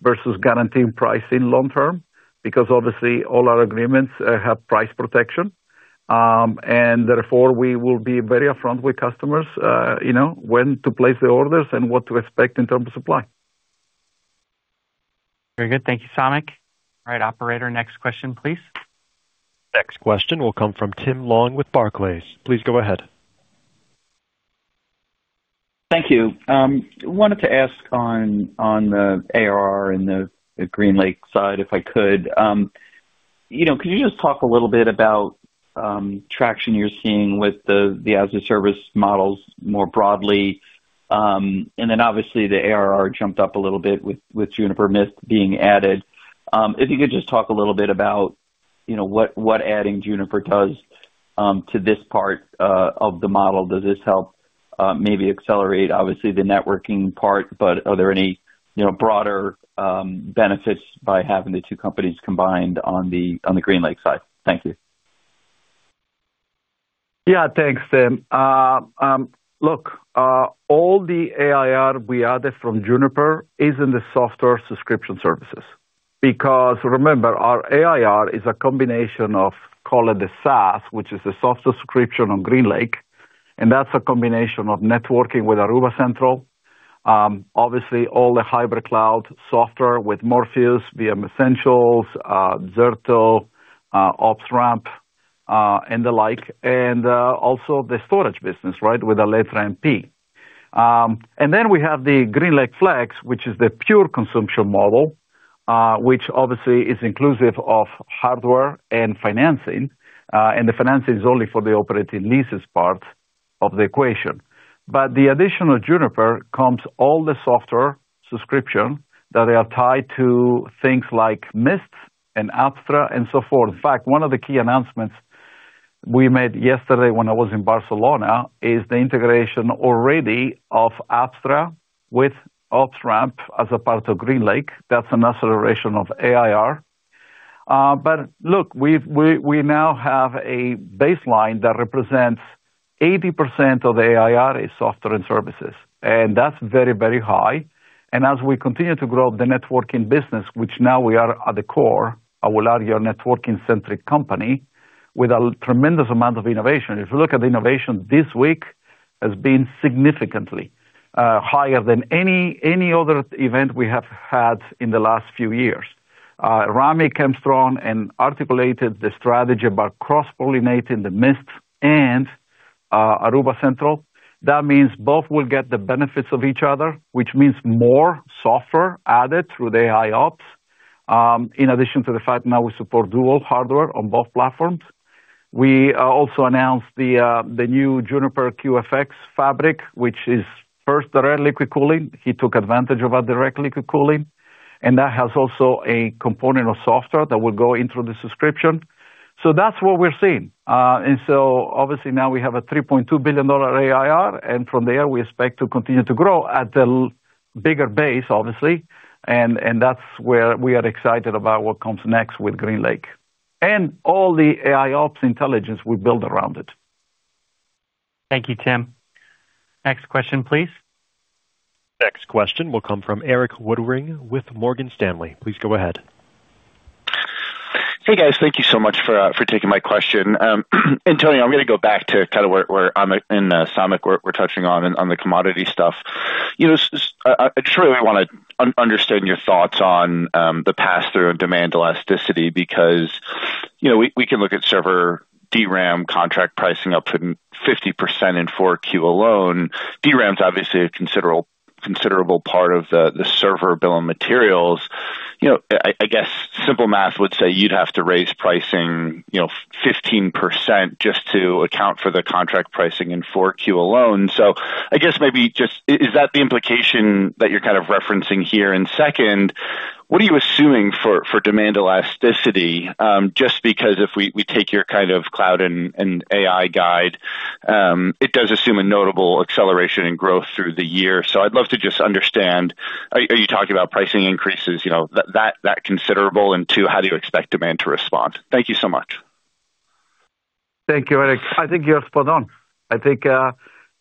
versus guaranteeing pricing long-term because obviously all our agreements have price protection. And therefore, we will be very upfront with customers when to place the orders and what to expect in terms of supply. Very good. Thank you, Samik. All right, Operator, next question, please. Next question will come from Tim Long with Barclays. Please go ahead. Thank you. I wanted to ask on the ARR and the GreenLake side if I could. Could you just talk a little bit about traction you're seeing with the as-a-service models more broadly? And then obviously the ARR jumped up a little bit with Juniper Mist being added. If you could just talk a little bit about what adding Juniper does to this part of the model. Does this help maybe accelerate, obviously, the networking part? But are there any broader benefits by having the two companies combined on the GreenLake side? Thank you. Yeah, thanks, Tim. Look, all the ARR we added from Juniper is in the software subscription services. Because remember, our ARR is a combination of, call it the SaaS, which is the software subscription on GreenLake. And that's a combination of networking with Aruba Central, obviously all the hybrid cloud software with Morpheus via Essentials, Zerto, OpsRamp, and the like. And also the storage business, right, with Alletra MP. And then we have the GreenLake Flex, which is the pure consumption model, which obviously is inclusive of hardware and financing. And the financing is only for the operating leases part of the equation. But the addition of Juniper comes all the software subscription that they are tied to things like Mist and Apstra and so forth. In fact, one of the key announcements we made yesterday when I was in Barcelona is the integration already of Apstra with OpsRamp as a part of GreenLake. That's an acceleration of ARR. But look, we now have a baseline that represents 80% of the ARR is software and services. And that's very, very high. And as we continue to grow the networking business, which now we are at the core, I will argue a networking-centric company with a tremendous amount of innovation. If you look at the innovation this week, it has been significantly higher than any other event we have had in the last few years. Rami came strong and articulated the strategy about cross-pollinating the Mist and Aruba Central. That means both will get the benefits of each other, which means more software added through the AIOps. In addition to the fact now we support dual hardware on both platforms. We also announced the new Juniper QFX fabric, which is first direct liquid cooling. He took advantage of our direct liquid cooling. And that has also a component of software that will go into the subscription. So that's what we're seeing. And so obviously now we have a $3.2 billion ARR. And from there, we expect to continue to grow at the bigger base, obviously. And that's where we are excited about what comes next with GreenLake and all the AIOps intelligence we build around it. Thank you, Tim. Next question, please. Next question will come from Erik Woodring with Morgan Stanley. Please go ahead. Hey, guys. Thank you so much for taking my question. Antonio, I'm going to go back to kind of where Amit and Samik were touching on on the commodity stuff. I just really want to understand your thoughts on the pass-through and demand elasticity because we can look at server DRAM contract pricing up to 50% in 4Q alone. DRAM is obviously a considerable part of the server bill of materials. I guess simple math would say you'd have to raise pricing 15% just to account for the contract pricing in 4Q alone. So I guess maybe just is that the implication that you're kind of referencing here in second? What are you assuming for demand elasticity? Just because if we take your kind of cloud and AI guide, it does assume a notable acceleration in growth through the year. So I'd love to just understand, are you talking about pricing increases, that considerable, and two, how do you expect demand to respond? Thank you so much. Thank you, Erik. I think you're spot on. I think you're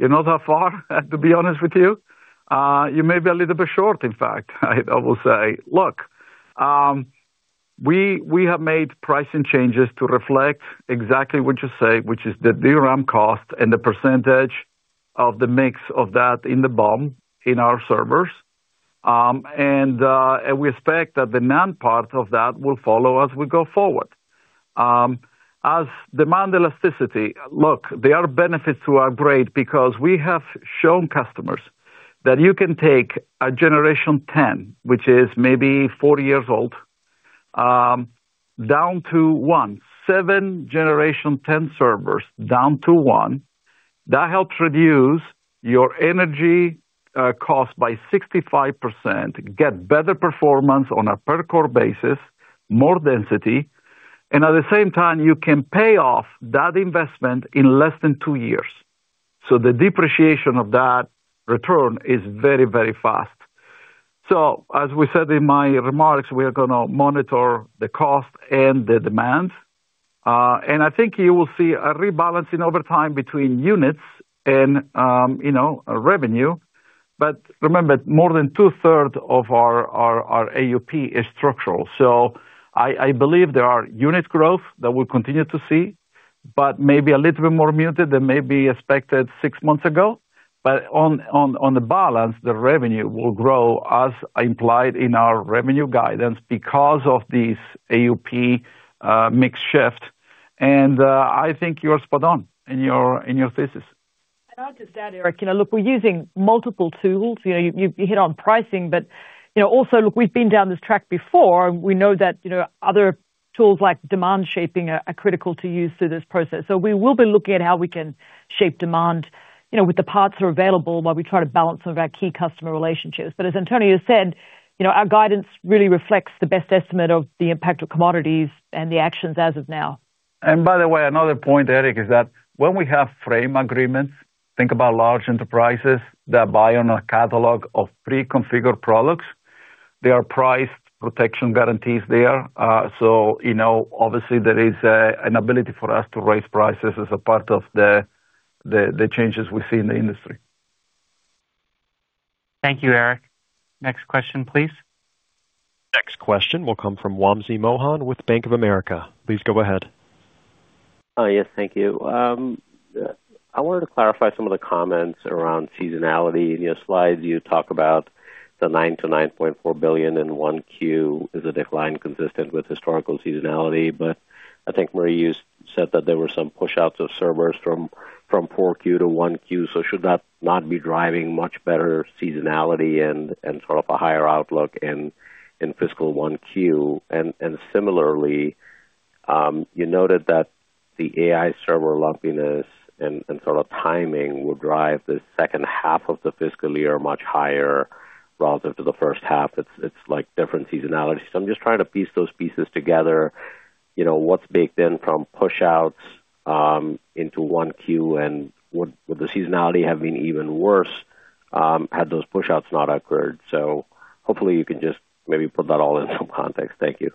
not that far, to be honest with you. You may be a little bit short, in fact, I will say. Look, we have made pricing changes to reflect exactly what you say, which is the DRAM cost and the percentage of the mix of that in the BOM in our servers. And we expect that the NAND part of that will follow as we go forward. As demand elasticity, look, there are benefits to upgrade because we have shown customers that you can take a generation 10, which is maybe 40 years old, down to one, seven generation 10 servers down to one. That helps reduce your energy cost by 65%, get better performance on a per-core basis, more density. And at the same time, you can pay off that investment in less than two years. So the depreciation of that return is very, very fast. As we said in my remarks, we are going to monitor the cost and the demand. And I think you will see a rebalancing over time between units and revenue. But remember, more than two-thirds of our AUP is structural. So I believe there are unit growth that we'll continue to see, but maybe a little bit more muted than maybe expected six months ago. But on the balance, the revenue will grow as implied in our revenue guidance because of these AUP mix shift. And I think you're spot on in your thesis. And I'll just add, Erik, look, we're using multiple tools. You hit on pricing. But also, look, we've been down this track before. We know that other tools like demand shaping are critical to use through this process. So we will be looking at how we can shape demand with the parts that are available while we try to balance some of our key customer relationships. But as Antonio said, our guidance really reflects the best estimate of the impact of commodities and the actions as of now. And by the way, another point, Erik, is that when we have frame agreements, think about large enterprises that buy on a catalog of pre-configured products. There are price protection guarantees there. So obviously, there is an ability for us to raise prices as a part of the changes we see in the industry. Thank you, Erik. Next question, please. Next question will come from Wamsi Mohan with Bank of America. Please go ahead. Oh, yes, thank you. I wanted to clarify some of the comments around seasonality. In your slides, you talk about the $9 billion-$9.4 billion in 1Q is a decline consistent with historical seasonality. But I think Marie, you said that there were some push-outs of servers from 4Q to 1Q. So should that not be driving much better seasonality and sort of a higher outlook in fiscal 1Q? And similarly, you noted that the AI server lumpiness and sort of timing will drive the second half of the fiscal year much higher relative to the first half. It's like different seasonality. So I'm just trying to piece those pieces together. What's baked in from push-outs into 1Q? And would the seasonality have been even worse had those push-outs not occurred? So hopefully, you can just maybe put that all in some context. Thank you.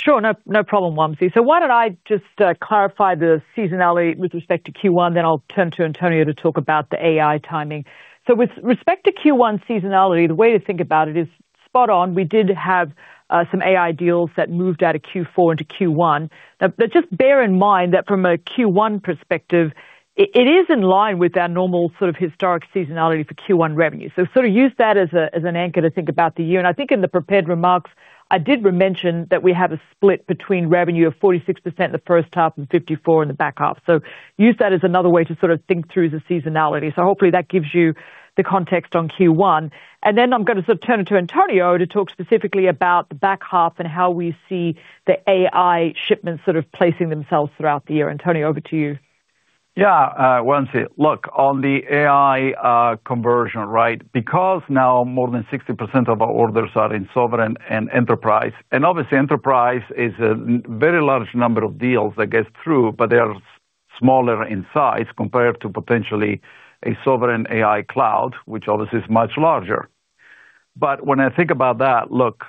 Sure, no problem, Wamsi. So why don't I just clarify the seasonality with respect to Q1? Then I'll turn to Antonio to talk about the AI timing. So with respect to Q1 seasonality, the way to think about it is spot on. We did have some AI deals that moved out of Q4 into Q1. But just bear in mind that from a Q1 perspective, it is in line with our normal sort of historic seasonality for Q1 revenue. So sort of use that as an anchor to think about the year. And I think in the prepared remarks, I did mention that we have a split between revenue of 46% in the first half and 54% in the back half. So use that as another way to sort of think through the seasonality. So hopefully, that gives you the context on Q1. And then I'm going to sort of turn it to Antonio to talk specifically about the back half and how we see the AI shipments sort of placing themselves throughout the year. Antonio, over to you. Yeah, Wamsi. Look, on the AI conversion, right? Because now more than 60% of our orders are in sovereign and enterprise. And obviously, enterprise is a very large number of deals that get through, but they are smaller in size compared to potentially a sovereign AI cloud, which obviously is much larger. But when I think about that, look,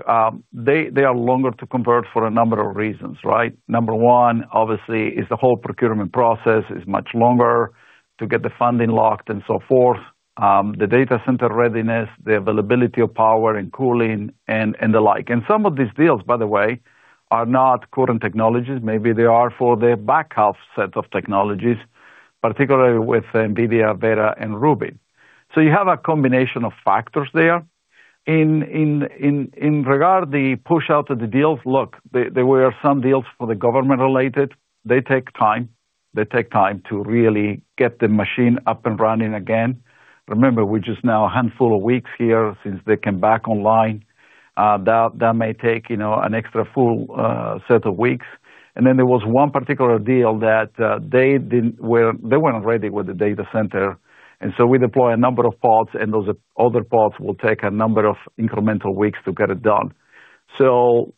they are longer to convert for a number of reasons, right? Number one, obviously, is the whole procurement process is much longer to get the funding locked and so forth. The data center readiness, the availability of power and cooling and the like. And some of these deals, by the way, are not current technologies. Maybe they are for the back half set of technologies, particularly with NVIDIA, Beta, and Ruby. So you have a combination of factors there. In regard to the push-out of the deals, look, there were some deals for the government related. They take time. They take time to really get the machine up and running again. Remember, we're just now a handful of weeks here since they came back online. That may take an extra full set of weeks, and then there was one particular deal that they weren't ready with the data center. And so we deploy a number of pods, and those other pods will take a number of incremental weeks to get it done. So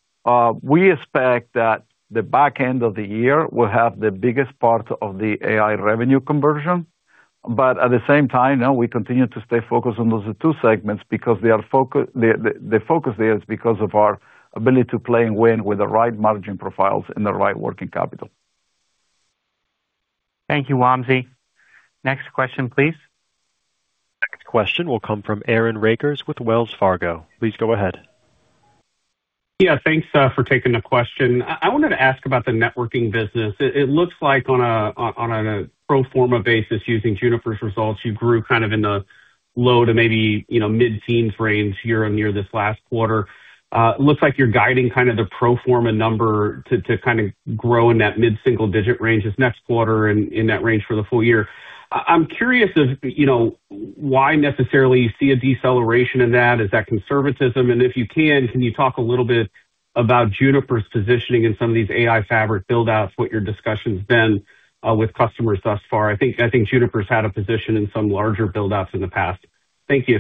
we expect that the back end of the year will have the biggest part of the AI revenue conversion. But at the same time, we continue to stay focused on those two segments because the focus there is because of our ability to play and win with the right margin profiles and the right working capital. Thank you, Wamsi. Next question, please. Next question will come from Aaron Rakers with Wells Fargo. Please go ahead. Yeah, thanks for taking the question. I wanted to ask about the networking business. It looks like on a pro forma basis using Juniper's results, you grew kind of in the low to maybe mid-teens range here and near this last quarter. It looks like you're guiding kind of the pro forma number to kind of grow in that mid-single digit range this next quarter and in that range for the full year. I'm curious of why necessarily you see a deceleration in that. Is that conservatism? And if you can, can you talk a little bit about Juniper's positioning in some of these AI fabric buildouts, what your discussion's been with customers thus far? I think Juniper's had a position in some larger buildouts in the past. Thank you.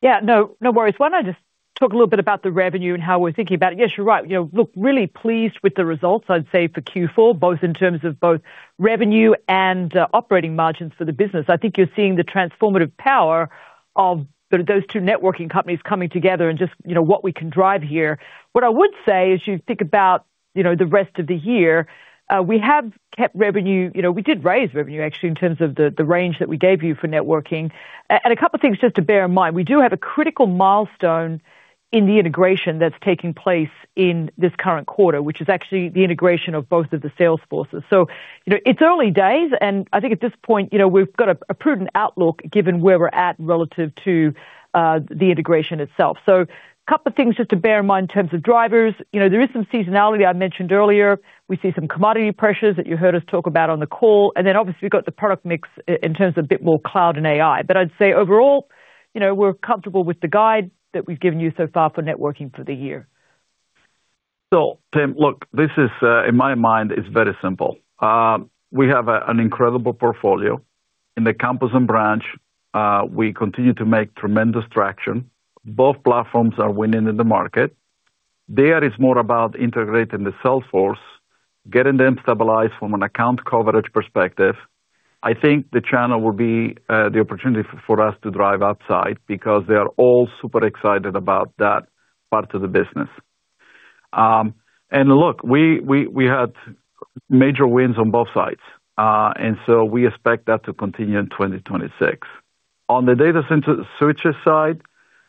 Yeah, no worries. Why don't I just talk a little bit about the revenue and how we're thinking about it? Yes, you're right. Look, really pleased with the results, I'd say, for Q4, both in terms of both revenue and operating margins for the business. I think you're seeing the transformative power of those two networking companies coming together and just what we can drive here. What I would say is you think about the rest of the year, we have kept revenue. We did raise revenue, actually, in terms of the range that we gave you for networking. And a couple of things just to bear in mind. We do have a critical milestone in the integration that's taking place in this current quarter, which is actually the integration of both of the sales forces. So it's early days. And I think at this point, we've got a prudent outlook given where we're at relative to the integration itself. So a couple of things just to bear in mind in terms of drivers. There is some seasonality I mentioned earlier. We see some commodity pressures that you heard us talk about on the call. And then obviously, we've got the product mix in terms of a bit more cloud and AI. But I'd say overall, we're comfortable with the guide that we've given you so far for networking for the year. So, Tim, look, this is, in my mind, very simple. We have an incredible portfolio in the campus and branch. We continue to make tremendous traction. Both platforms are winning in the market. There is more about integrating the sales force, getting them stabilized from an account coverage perspective. I think the channel will be the opportunity for us to drive outside because they are all super excited about that part of the business, and look, we had major wins on both sides, and so we expect that to continue in 2026. On the data center switches side,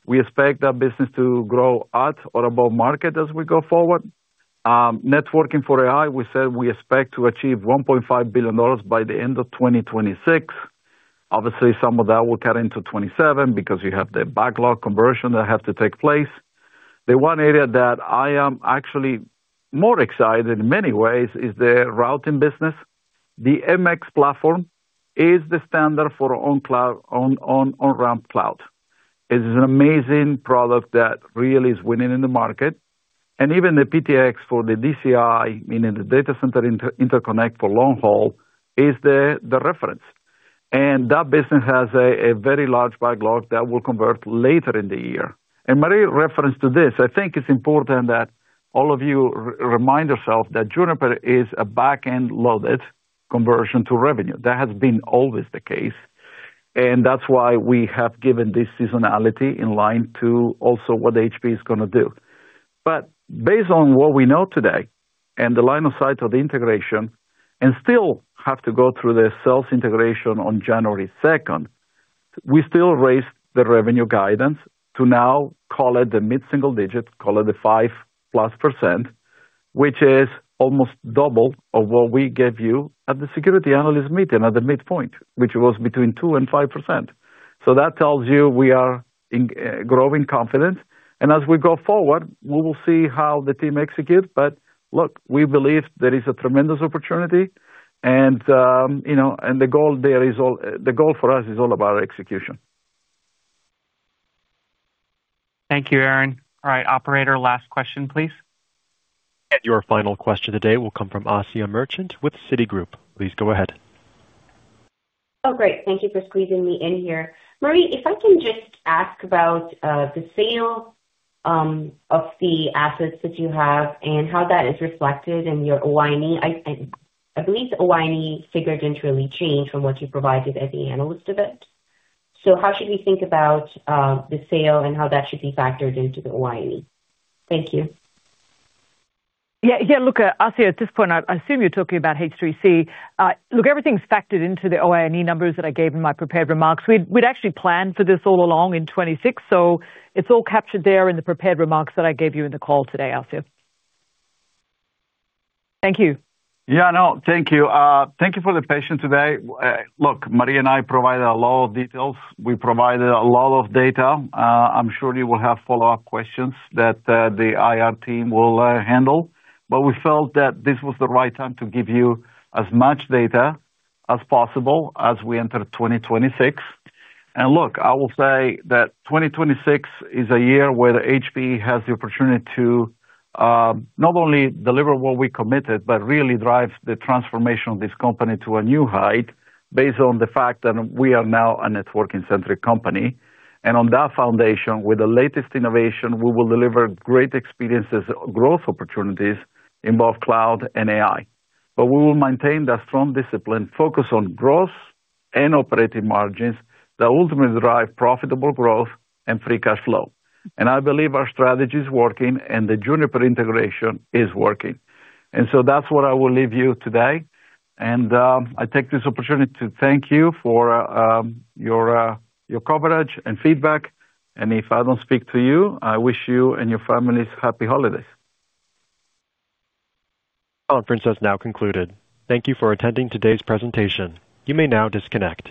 we expect that business to grow at or above market as we go forward. Networking for AI, we said we expect to achieve $1.5 billion by the end of 2026. Obviously, some of that will cut into 2027 because you have the backlog conversion that has to take place. The one area that I am actually more excited in many ways is the routing business. The MX platform is the standard for on-cloud, on-ramp cloud. It is an amazing product that really is winning in the market, and even the PTX for the DCI, meaning the data center interconnect for long haul, is the reference, and that business has a very large backlog that will convert later in the year, and Marie referred to this. I think it's important that all of you remind yourselves that Juniper is a back-end loaded conversion to revenue. That has been always the case, and that's why we have given this seasonality in line with also what HP is going to do. But based on what we know today and the line of sight of the integration, and still have to go through the sales integration on January 2, we still raised the revenue guidance to now call it the mid-single digit, call it the 5%+, which is almost double of what we gave you at the securities analyst meeting at the midpoint, which was between 2% and 5%. So that tells you we are growing confident. And as we go forward, we will see how the team executes. But look, we believe there is a tremendous opportunity. And the goal there is the goal for us is all about execution. Thank you, Aaron. All right, operator, last question, please. And your final question today will come from Asiya Merchant with Citigroup. Please go ahead. Oh, great. Thank you for squeezing me in here. Marie, if I can just ask about the sale of the assets that you have and how that is reflected in your OI&E. I believe the OI&E figure didn't really change from what you provided at the analyst day. So how should we think about the sale and how that should be factored into the OI&E? Thank you. Yeah, yeah, look, Asiya, at this point, I assume you're talking about H3C. Look, everything's factored into the OI&E numbers that I gave in my prepared remarks. We'd actually planned for this all along in 2026. So it's all captured there in the prepared remarks that I gave you in the call today, Asiya. Thank you. Yeah, no, thank you. Thank you for the patience today. Look, Marie and I provided a lot of details. We provided a lot of data. I'm sure you will have follow-up questions that the IR team will handle. But we felt that this was the right time to give you as much data as possible as we enter 2026. Look, I will say that 2026 is a year where HPE has the opportunity to not only deliver what we committed, but really drive the transformation of this company to a new height based on the fact that we are now a networking-centric company. On that foundation, with the latest innovation, we will deliver great experiences, growth opportunities in both cloud and AI. We will maintain that strong discipline, focus on growth and operating margins that ultimately drive profitable growth and free cash flow. I believe our strategy is working and the Juniper integration is working. That's what I will leave you today. And I take this opportunity to thank you for your coverage and feedback. And if I don't speak to you, I wish you and your families happy holidays. Conference has now concluded. Thank you for attending today's presentation. You may now disconnect.